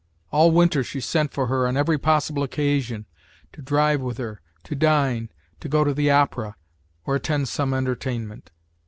All winter she sent for her on every possible occasion, to drive with her, to dine, to go to the opera, or attend some entertainment.